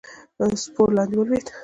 سپور لاندې ولوېد.